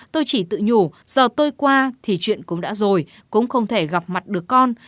tôi chỉ tự nhủ giờ tôi qua thì chuyện cũng đã rồi cũng không thể gặp mặt được con